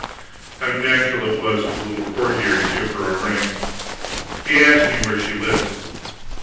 How natural it was for the little courtier to give her a rank. He asked me where she lived.